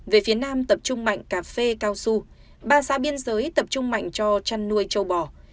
về phía nam tập trung mạnh cà phê cao su ba xã biên giới tập trung mạnh cho chăn nuôi châu bò